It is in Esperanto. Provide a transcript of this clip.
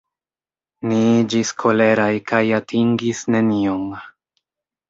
Ni iĝis koleraj kaj atingis nenion.